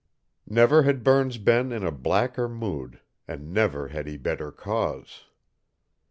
Never had Burns been in a blacker mood, and never had he better cause.